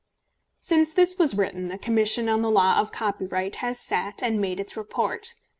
] Since this was written the Commission on the law of copyright has sat and made its report.